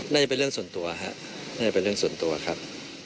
น่าจะเป็นเรื่องส่วนตัวครับ